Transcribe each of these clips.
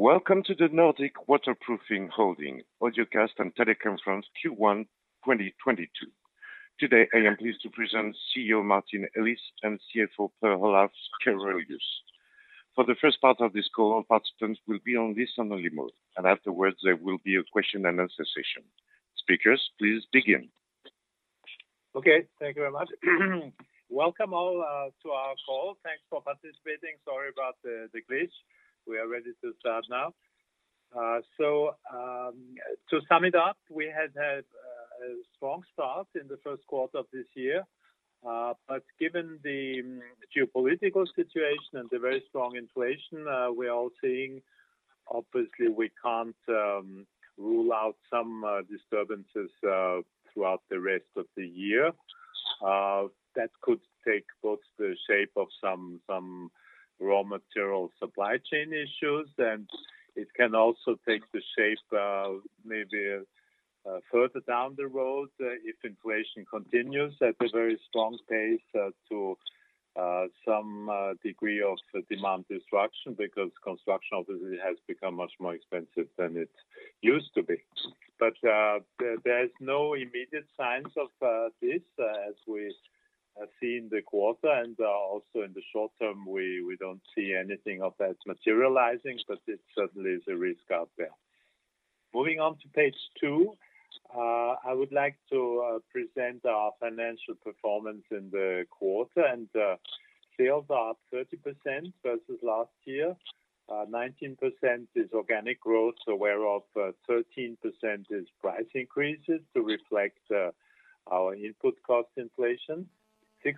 Welcome to the Nordic Waterproofing Holding Audio Cast and Teleconference Q1 2022. Today, I am pleased to present CEO Martin Ellis and CFO Palle Schrewelius. For the first part of this call, participants will be on listen-only mode, and afterwards there will be a question and answer session. Speakers, please begin. Okay, thank you very much. Welcome all to our call. Thanks for participating. Sorry about the glitch. We are ready to start now. To sum it up, we had a strong start in the first quarter of this year, but given the geopolitical situation and the very strong inflation we are all seeing, obviously we can't rule out some disturbances throughout the rest of the year. That could take both the shape of some raw material supply chain issues, and it can also take the shape, maybe further down the road, if inflation continues at a very strong pace, to some degree of demand destruction, because construction obviously has become much more expensive than it used to be. There's no immediate signs of this as we have seen in the quarter and also in the short term, we don't see anything of that materializing, but it certainly is a risk out there. Moving on to page two, I would like to present our financial performance in the quarter, and sales are up 30% versus last year. 19% is organic growth, whereof 13% is price increases to reflect our input cost inflation. 6%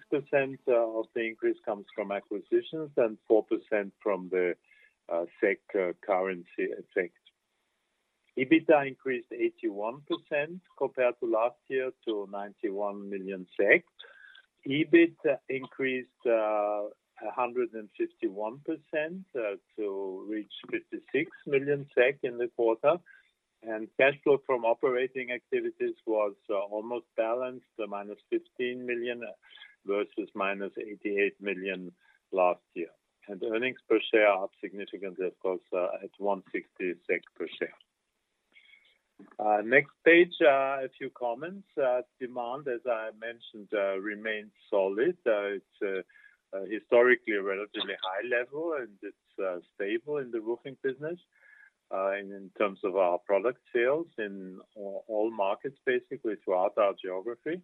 of the increase comes from acquisitions and 4% from the SEK currency effect. EBITDA increased 81% compared to last year to 91 million SEK. EBIT increased 151% to reach 56 million SEK in the quarter. Cash flow from operating activities was almost balanced, -15 million versus -88 million last year. Earnings per share are up significantly, of course, at 1.60 SEK per share. Next page, a few comments. Demand, as I mentioned, remains solid. It's historically a relatively high level, and it's stable in the roofing business, in terms of our product sales in all markets, basically throughout our geography.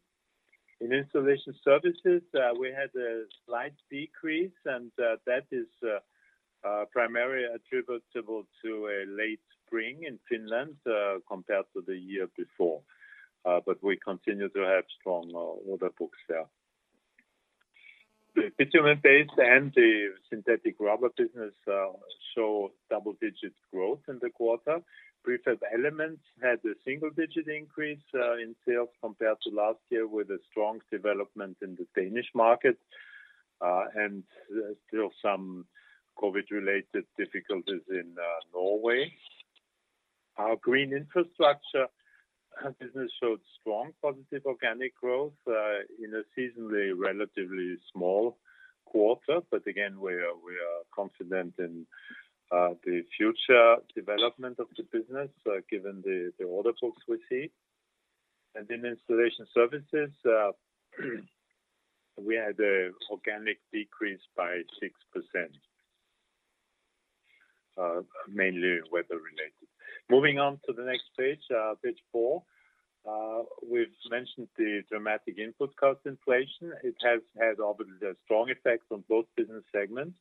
In Installation Services, we had a slight decrease, and that is primarily attributable to a late spring in Finland, compared to the year before. We continue to have strong order books there. The bitumen-based and the synthetic rubber business show double-digit growth in the quarter. Prefab elements had a single-digit increase in sales compared to last year, with a strong development in the Danish market and still some COVID-related difficulties in Norway. Our green infrastructure business showed strong positive organic growth in a seasonally relatively small quarter. Again, we are confident in the future development of the business given the order books we see. In Installation Services, we had an organic decrease by 6%, mainly weather-related. Moving on to the next page four. We've mentioned the dramatic input cost inflation. It has had obviously a strong effect on both business segments.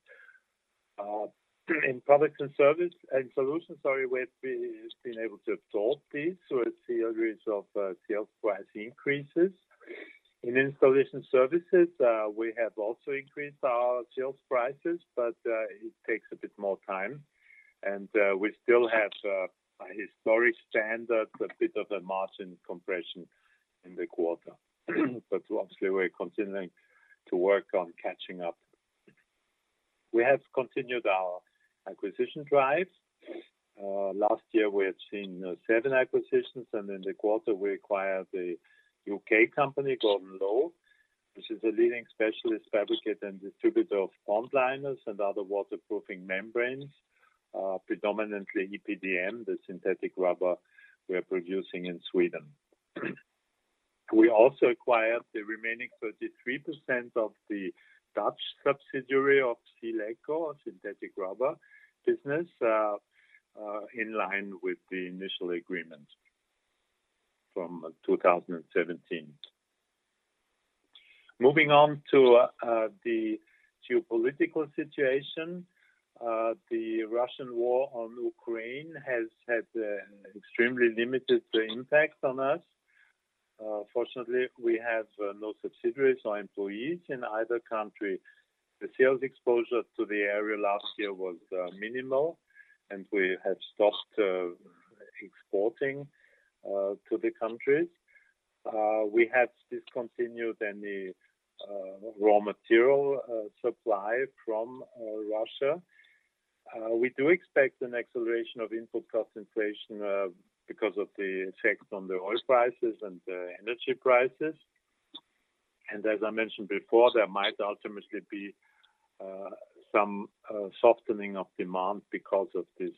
In Products & Solutions, we've been able to absorb these through a series of sales price increases. In Installation Services, we have also increased our sales prices, but it takes a bit more time. We still have a historic standard, a bit of a margin compression in the quarter. Obviously, we're continuing to work on catching up. We have continued our acquisition drive. Last year we had seen seven acquisitions, and in the quarter we acquired the U.K. company Gordon Low, which is a leading specialist fabricator and distributor of pond liners and other waterproofing membranes, predominantly EPDM, the synthetic rubber we are producing in Sweden. We also acquired the remaining 33% of the Dutch subsidiary of SealEco, a synthetic rubber business, in line with the initial agreement from 2017. Moving on to the geopolitical situation. The Russian war on Ukraine has had extremely limited impact on us. Fortunately, we have no subsidiaries or employees in either country. The sales exposure to the area last year was minimal, and we have stopped exporting to the countries. We have discontinued any raw material supply from Russia. We do expect an acceleration of input cost inflation because of the effect on the oil prices and the energy prices. As I mentioned before, there might ultimately be some softening of demand because of this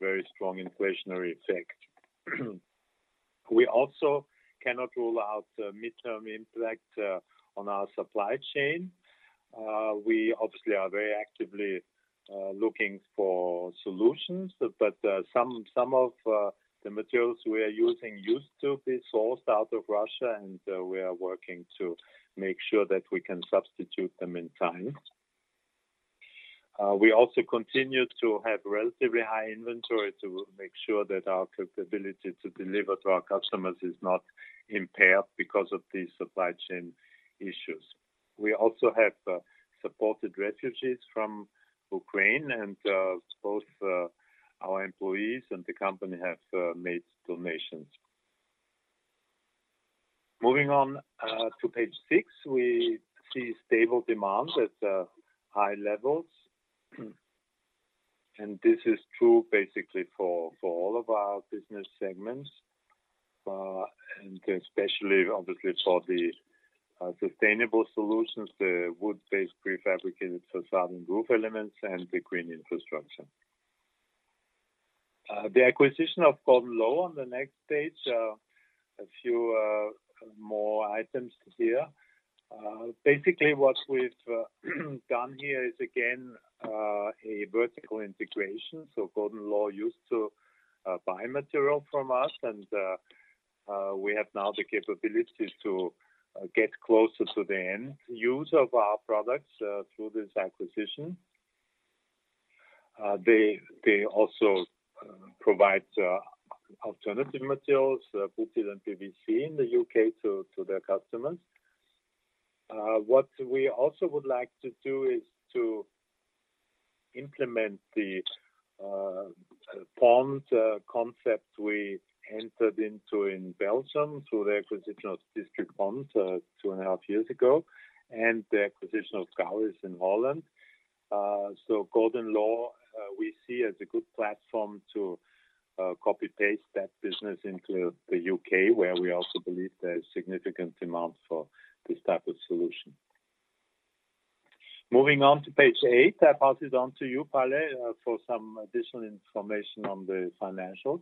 very strong inflationary effect. We also cannot rule out the midterm impact on our supply chain. We obviously are very actively looking for solutions, but some of the materials we are using used to be sourced out of Russia, and we are working to make sure that we can substitute them in time. We also continue to have relatively high inventory to make sure that our capability to deliver to our customers is not impaired because of these supply chain issues. We also have supported refugees from Ukraine, and both our employees and the company have made donations. Moving on to page six, we see stable demand at high levels. This is true basically for all of our business segments, and especially obviously for the sustainable solutions, the wood-based prefabricated facade and roof elements and the green infrastructure. The acquisition of Gordon Low on the next page, a few more items here. Basically, what we've done here is again a vertical integration. Gordon Low used to buy material from us, and we have now the capabilities to get closer to the end use of our products through this acquisition. They also provide alternative materials, butyl and PVC in the U.K. to their customers. What we also would like to do is to implement the pond concept we entered into in Belgium through the acquisition of Distri Pond two and a half years ago, and the acquisition of Schouwers in Holland. Gordon Low we see as a good platform to copy-paste that business into the U.K., where we also believe there's significant demand for this type of solution. Moving on to page eight, I pass it on to you, Palle, for some additional information on the financials.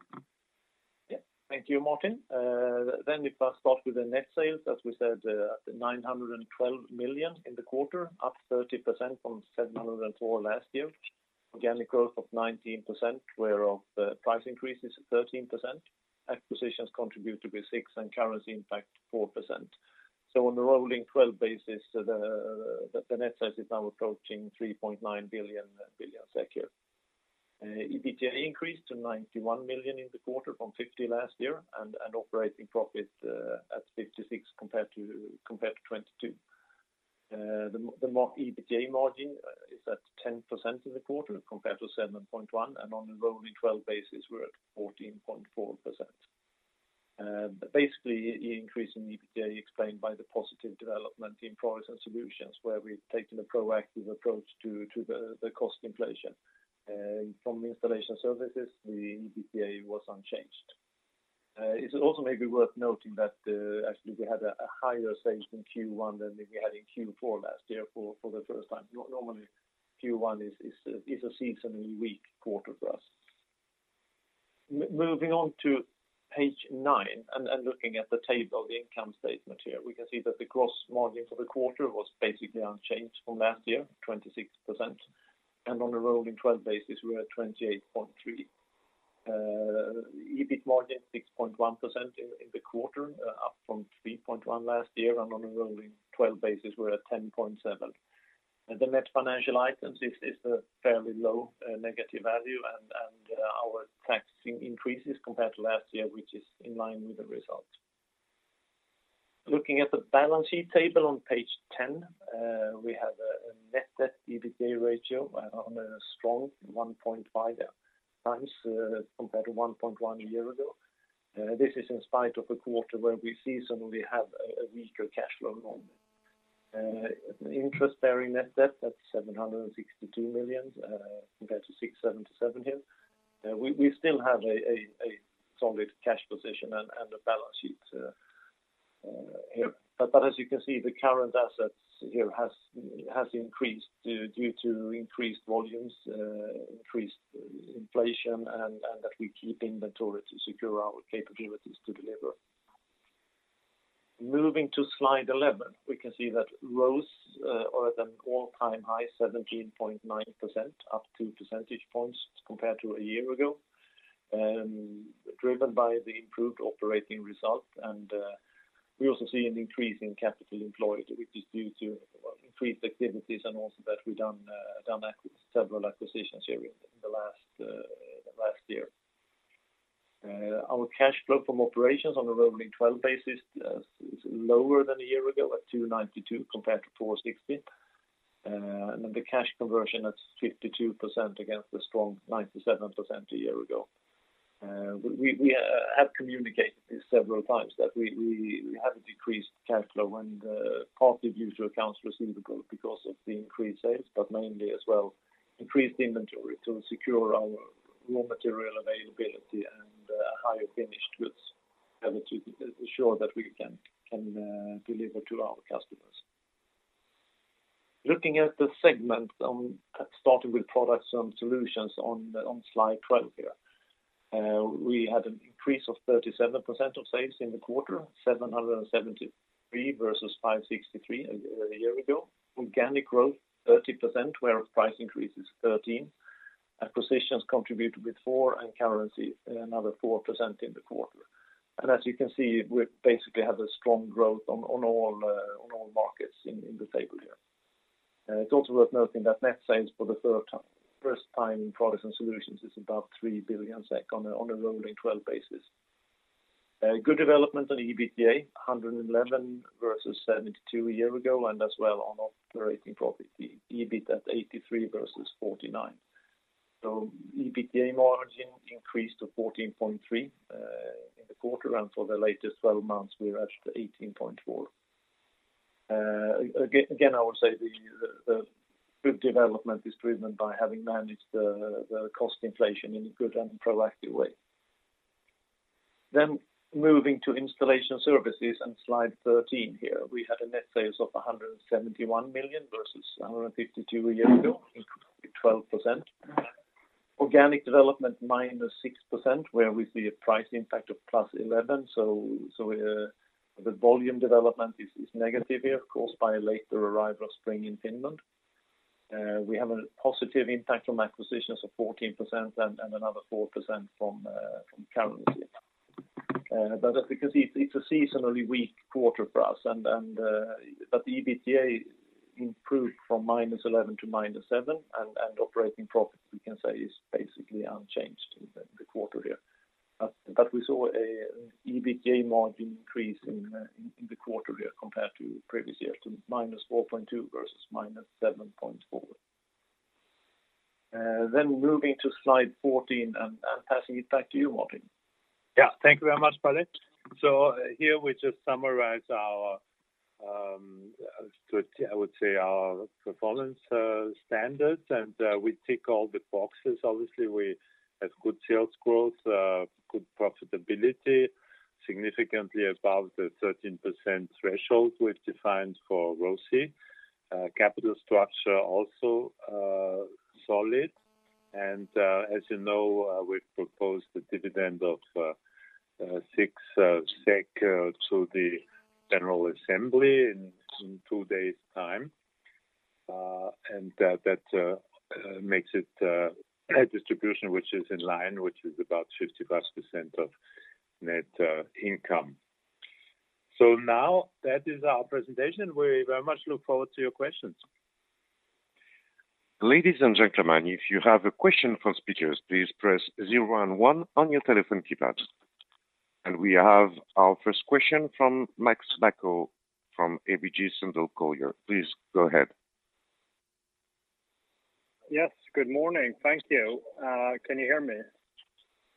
Yeah. Thank you, Martin. If I start with the net sales, as we said, 912 million in the quarter, up 30% from 704 million last year. Organic growth of 19%, whereof the price increase is 13%. Acquisitions contribute to be 6%, and currency impact 4%. On a rolling twelve basis, the net sales is now approaching 3.9 billion here. EBITDA increased to 91 million in the quarter from 50 million last year, and operating profit at 56 million compared to 22 million. EBITDA margin is at 10% in the quarter compared to 7.1%, and on a rolling twelve basis, we're at 14.4%. Basically, increase in EBITDA explained by the positive development in Products & Solutions, where we've taken a proactive approach to the cost inflation. From the Installation Services, the EBITDA was unchanged. It's also maybe worth noting that, actually, we had a higher sales in Q1 than we had in Q4 last year for the first time. Normally, Q1 is a seasonally weak quarter for us. Moving on to page nine and looking at the table of the income statement here, we can see that the gross margin for the quarter was basically unchanged from last year, 26%. On a rolling 12 basis, we're at 28.3%. EBIT margin 6.1% in the quarter, up from 3.1% last year, and on a rolling twelve basis, we're at 10.7%. The net financial items is a fairly low negative value, and our tax expense increases compared to last year, which is in line with the result. Looking at the balance sheet table on page 10, we have a net debt/EBITDA ratio on a strong 1.5 times, compared to 1.1 a year ago. This is in spite of a quarter where we seasonally have a weaker cash flow moment. Interest-bearing net debt, that's 762 million, compared to 677 here. We still have a solid cash position and a balance sheet here. As you can see, the current assets here has increased due to increased volumes, increased inflation, and that we keep inventory to secure our capabilities to deliver. Moving to slide 11, we can see that ROCE are at an all-time high 17.9%, up two percentage points compared to a year ago, driven by the improved operating result. We also see an increase in capital employed, which is due to, well, increased activities and also that we done several acquisitions here in the last year. Our cash flow from operations on a rolling 12 basis is lower than a year ago at 292 compared to 460. The cash conversion, that's 52% against the strong 97% a year ago. We have communicated this several times that we have a decreased cash flow partly due to accounts receivable because of the increased sales, but mainly as well increased inventory to secure our raw material availability and higher finished goods able to ensure that we can deliver to our customers. Looking at the segment, starting with Products & Solutions on slide 12 here. We had an increase of 37% of sales in the quarter, 773 versus 563 a year ago. Organic growth 30%, where price increase is 13%. Acquisitions contributed with 4%, and currency another 4% in the quarter. As you can see, we basically have a strong growth on all markets in the table here. It's also worth noting that net sales for the first time in Products & Solutions is about 3 billion SEK on a rolling 12 basis. A good development on EBITDA, 111 million versus 72 million a year ago, and as well on operating profit, the EBIT at 83 million versus 49 million. EBITDA margin increased to 14.3% in the quarter, and for the latest 12 months we reached 18.4%. Again, I would say the good development is driven by having managed the cost inflation in a good and proactive way. Moving to Installation Services on slide 13 here. We had net sales of 171 million versus 152 million a year ago, including 12%. Organic development -6%, where we see a price impact of +11%. The volume development is negative here, of course, by a later arrival of spring in Finland. We have a positive impact from acquisitions of 14% and another 4% from currency. As you can see, it's a seasonally weak quarter for us, and the EBITDA improved from -11 to -7, and operating profit we can say is basically unchanged in the quarter here. We saw a EBITDA margin increase in the quarter here compared to previous years, to -4.2 versus -7.4. Moving to slide 14 and passing it back to you, Martin. Yeah. Thank you very much, Palle. Here we just summarize our, I would say our performance standards, and we tick all the boxes. Obviously, we have good sales growth, good profitability, significantly above the 13% threshold we've defined for ROCE. Capital structure also, solid. As you know, we proposed a dividend of 6 SEK to the general assembly in two days time. That makes it a distribution which is in line, which is about 50%+ of net income. Now that is our presentation. We very much look forward to your questions. Ladies and gentlemen, if you have a question for the speakers, please press zero and one one on your telephone keypads. We have our first question from Max Bakko from ABG Sundal Collier. Please go ahead. Yes. Good morning. Thank you. Can you hear me?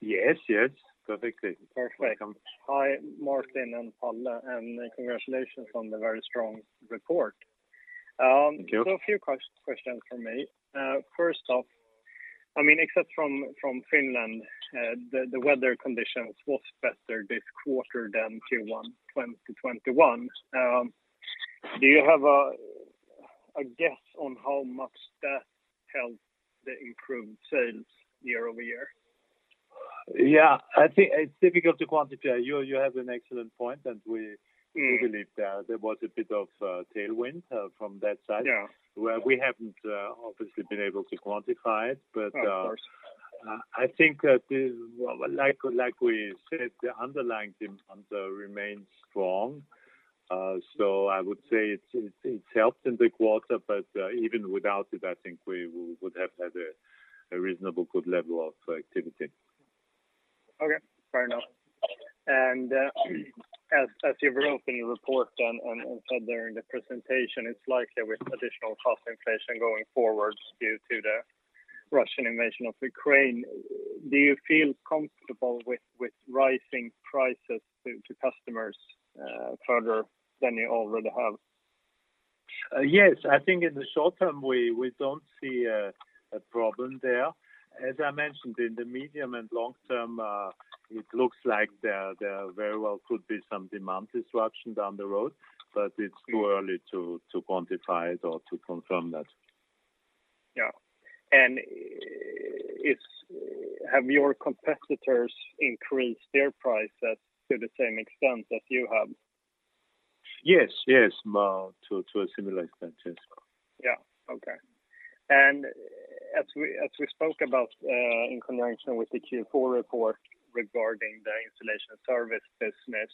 Yes, yes. Perfectly. Perfect. Welcome. Hi, Martin and Palle, and congratulations on the very strong report. Thank you. A few questions from me. First off, I mean, except from Finland, the weather conditions was better this quarter than Q1 2021. Do you have a guess on how much that helped the improved sales year-over-year? Yeah. I think it's difficult to quantify. You have an excellent point, and we Mm-hmm. We do believe there was a bit of tailwind from that side. Yeah. Where we haven't obviously been able to quantify it, but. Of course. I think that, like we said, the underlying demand remains strong. I would say it's helped in the quarter, but even without it, I think we would have had a reasonably good level of activity. Okay. Fair enough. As you wrote in your report and said during the presentation, it's likely with additional cost inflation going forward due to the Russian invasion of Ukraine. Do you feel comfortable with rising prices to customers further than you already have? Yes. I think in the short term, we don't see a problem there. As I mentioned, in the medium and long term, it looks like there very well could be some demand disruption down the road, but it's too early to quantify it or to confirm that. Have your competitors increased their prices to the same extent as you have? Yes. Yes. To a similar extent, yes. Yeah. Okay. As we spoke about in conjunction with the Q4 report regarding the Installation Services business,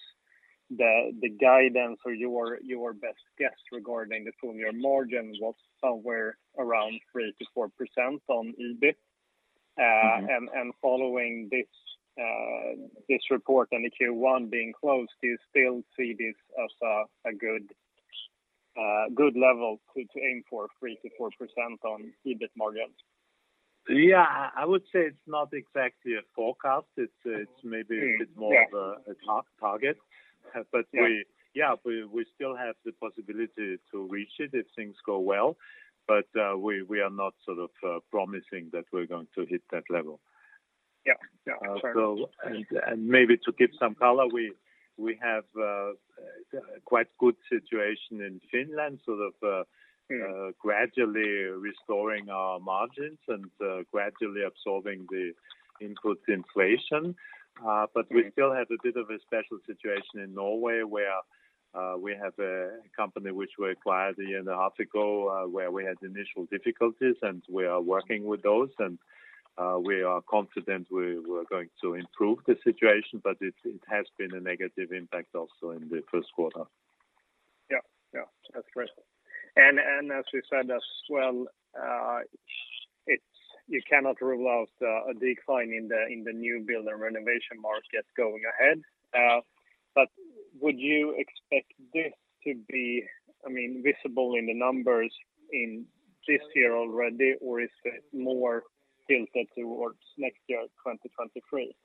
the guidance or your best guess regarding the full year margin was somewhere around 3%-4% on EBIT. Mm-hmm. Following this report and the Q1 being closed, do you still see this as a good level to aim for 3%-4% on EBIT margin? Yeah. I would say it's not exactly a forecast. It's maybe. Yeah A bit more of a tighter target. Yeah. Yeah. We still have the possibility to reach it if things go well, but we are not sort of promising that we're going to hit that level. Yeah, yeah, sure. Maybe to give some color, we have quite good situation in Finland, sort of. Mm-hmm Gradually restoring our margins and gradually absorbing the input inflation. Yeah We still have a bit of a special situation in Norway where we have a company which we acquired a year and a half ago, where we had initial difficulties, and we are working with those. We are confident we're going to improve the situation, but it has been a negative impact also in the Q1. Yeah. Yeah. That's great. As you said as well, you cannot rule out a decline in the new build and renovation markets going ahead. Would you expect this to be, I mean, visible in the numbers in this year already or is it more tilted towards next year, 2023?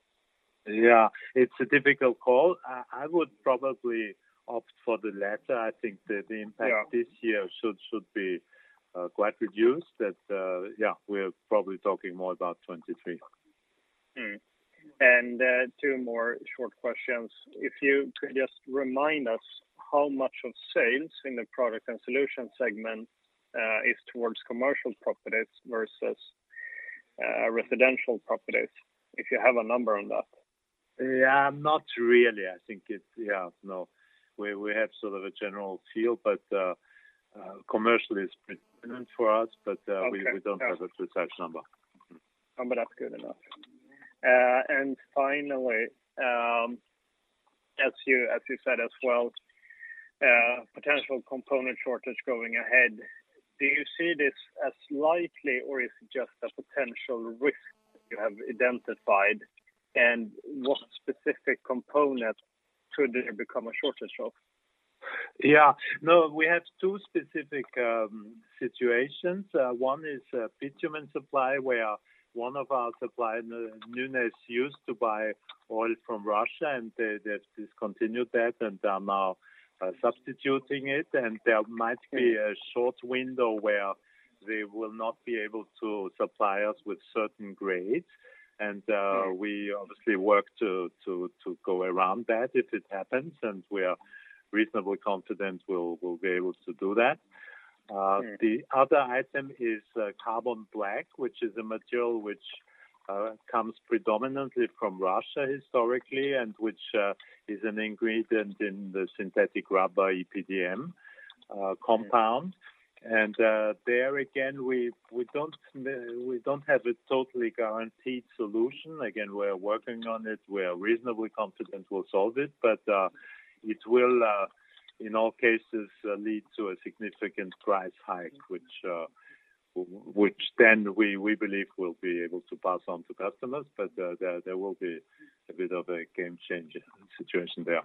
Yeah. It's a difficult call. I would probably opt for the latter. I think the impact- Yeah This year should be quite reduced. That, yeah, we're probably talking more about 2023. Two more short questions. If you could just remind us how much of sales in the Products & Solutions segment is towards commercial properties versus residential properties, if you have a number on that. Yeah. Not really. I think it's yeah, no. We have sort of a general feel, but commercial is predominant for us, but. Okay. Yeah. We don't have a precise number. No, but that's good enough. Finally, as you said as well, potential component shortage going ahead, do you see this as likely, or is it just a potential risk you have identified? What specific component could there become a shortage of? Yeah. No, we have two specific situations. One is a bitumen supply, where one of our supplier, Nynas used to buy oil from Russia, and they've discontinued that and are now substituting it. There might be- Okay a short window where they will not be able to supply us with certain grades. Yeah We obviously work to go around that if it happens, and we are reasonably confident we'll be able to do that. Yeah... the other item is carbon black, which is a material which comes predominantly from Russia historically, and which is an ingredient in the synthetic rubber EPDM compound. Yeah. There again, we don't have a totally guaranteed solution. Again, we're working on it. We are reasonably confident we'll solve it, but it will in all cases lead to a significant price hike, which then we believe we'll be able to pass on to customers. There will be a bit of a game change situation there.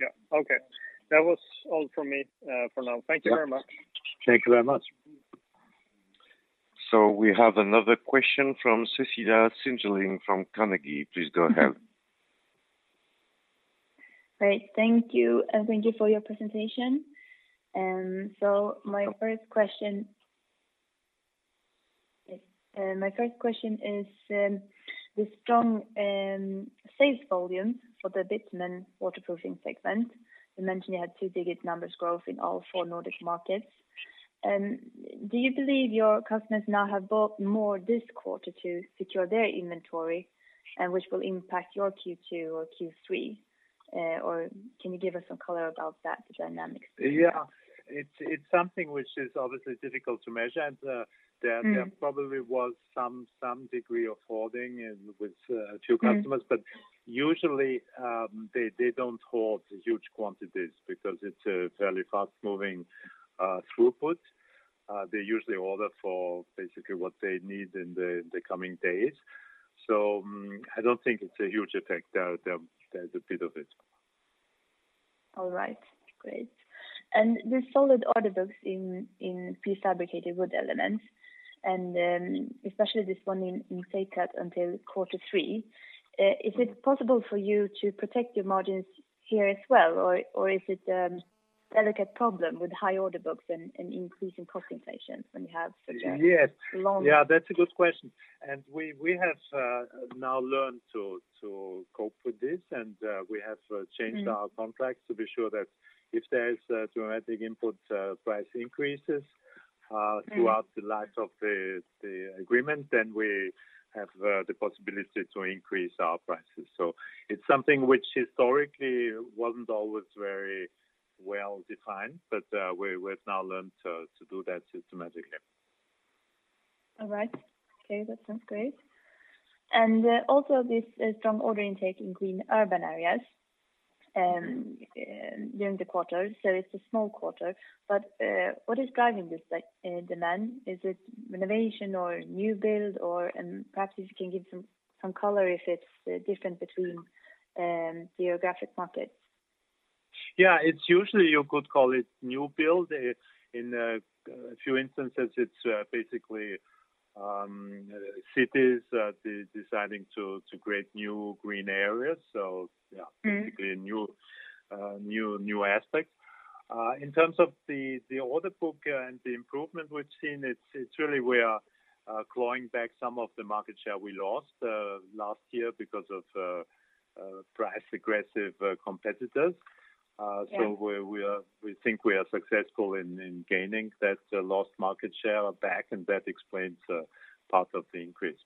Yeah. Okay. That was all for me, for now. Thank you very much. Thank you very much. We have another question from Cecilia Sindling from Carnegie. Please go ahead. Right. Thank you, and thank you for your presentation. My first question is the strong sales volume for the bitumen waterproofing segment. You mentioned you had double-digit growth in all four Nordic markets. Do you believe your customers now have bought more this quarter to secure their inventory, which will impact your Q2 or Q3? Or can you give us some color about that dynamic? Yeah. It's something which is obviously difficult to measure. Mm There probably was some degree of holding inventory with two customers. Mm-hmm. Usually, they don't hold huge quantities because it's a fairly fast-moving throughput. They usually order for basically what they need in the coming days. I don't think it's a huge effect. There's a bit of it. All right. Great. The solid order books in prefabricated wood elements, and especially this one in Seikat until quarter three, is it possible for you to protect your margins here as well, or is it a delicate problem with high order books and increasing cost inflation when you have such a- Yes... long- Yeah, that's a good question. We have now learned to cope with this. We have Mm changed our contracts to be sure that if there's a dramatic input price increases. Mm Throughout the life of the agreement, then we have the possibility to increase our prices. It's something which historically wasn't always very well-defined, but we've now learned to do that systematically. All right. Okay. That sounds great. Also this strong order intake in green urban areas during the quarter, so it's a small quarter, but what is driving this, like, demand? Is it renovation or new build? Perhaps you can give some color if it's different between geographic markets. Yeah. It's usually you could call it new build. In a few instances, it's basically cities deciding to create new green areas. Yeah. Mm-hmm. A new aspect. In terms of the order book and the improvement we've seen, it's really we are clawing back some of the market share we lost last year because of price-aggressive competitors. Yeah. We think we are successful in gaining that lost market share back, and that explains part of the increase.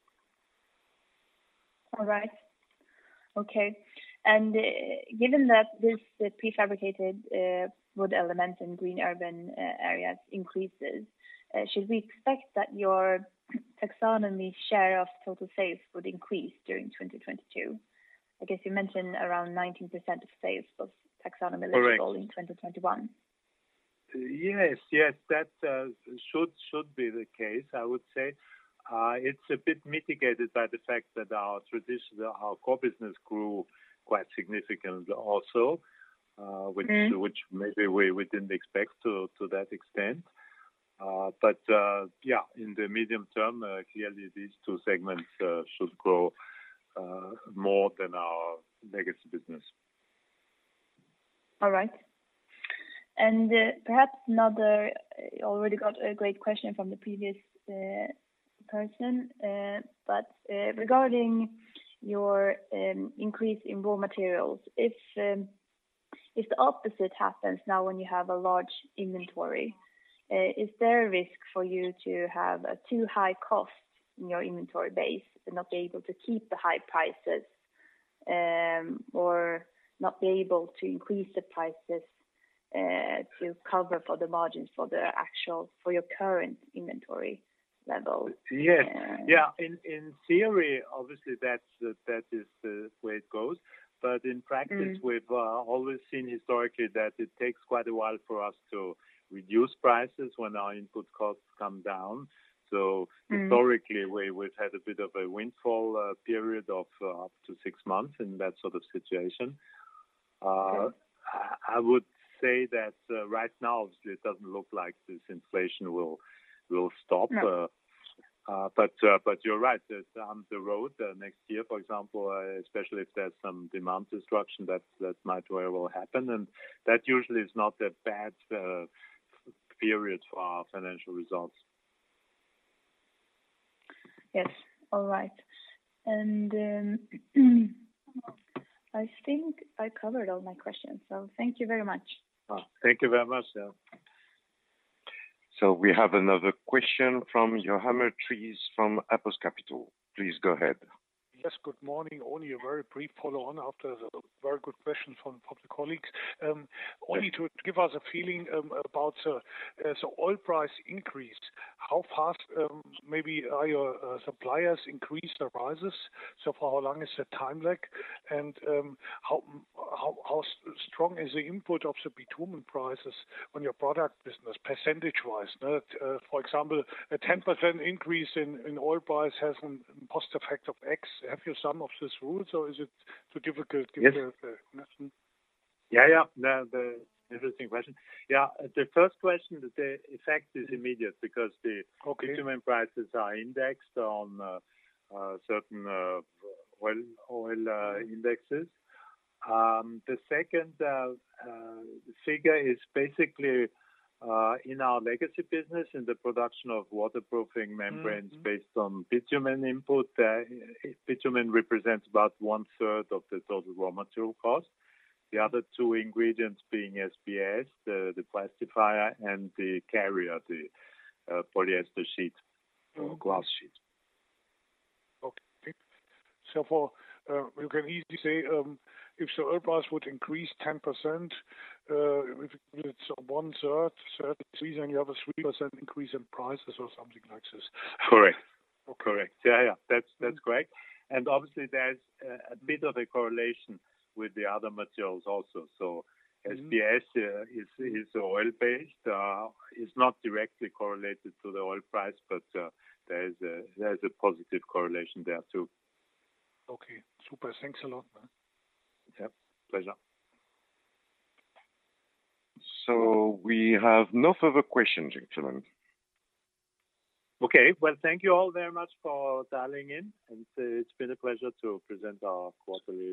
All right. Okay. Given that this, the prefabricated wood elements in green urban areas increases, should we expect that your taxonomy share of total sales would increase during 2022? I guess you mentioned around 19% of sales was taxonomy eligible- Correct. in 2021. Yes. Yes, that should be the case, I would say. It's a bit mitigated by the fact that our core business grew quite significantly also. Mm-hmm. Which maybe we didn't expect to that extent. Yeah, in the medium term, clearly these two segments should grow more than our legacy business. All right. Perhaps another. You already got a great question from the previous person. Regarding your increase in raw materials, if the opposite happens now when you have a large inventory, is there a risk for you to have a too high cost in your inventory base and not be able to keep the high prices, or not be able to increase the prices, to cover for the margins for your current inventory level? Yes. Yeah. In theory, obviously that is the way it goes. In practice- Mm-hmm. We've always seen historically that it takes quite a while for us to reduce prices when our input costs come down. So Mm-hmm. Historically, we've had a bit of a windfall period of up to six months in that sort of situation. Okay. I would say that, right now, obviously, it doesn't look like this inflation will stop. No. You're right. Down the road, next year, for example, especially if there's some demand destruction, that might very well happen. That usually is not a bad period for our financial results. Yes. All right. I think I covered all my questions, so thank you very much. Thank you very much. Yeah. We have another question from Johan Meltres from APUS Capital. Please go ahead. Yes, good morning. Only a very brief follow on after the very good question from public colleagues. Yeah. Only to give us a feeling about the oil price increase, how fast maybe are your suppliers increase their prices? For how long is the time lag? How strong is the impact of the bitumen prices on your product business percentage-wise? For example, a 10% increase in oil price has a cost effect of X. Have you some of these rules or is it too difficult? Yes. to give us the estimate? Yeah, yeah. Interesting question. Yeah. The first question, the effect is immediate because the Okay. Bitumen prices are indexed on certain oil indexes. The second figure is basically in our legacy business, in the production of waterproofing membranes. Mm-hmm. -based on bitumen input. Bitumen represents about one-third of the total raw material cost. The other two ingredients being SBS, the plasticizer and the carrier, the polyester sheet. Mm. or glass sheet. You can easily say if the oil price would increase 10%, if it's one-third, certainly you have a 3% increase in prices or something like this. Correct. Okay. Correct. Yeah. That's correct. Obviously, there's a bit of a correlation with the other materials also. Mm-hmm. SBS is oil-based, is not directly correlated to the oil price, but there is a positive correlation there too. Okay. Super. Thanks a lot. Yeah. Pleasure. We have no further questions, gentlemen. Okay. Well, thank you all very much for dialing in, and it's been a pleasure to present our quarterly results.